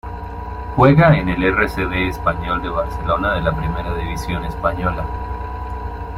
Juega en el R. C. D. Español de Barcelona de la Primera división Española.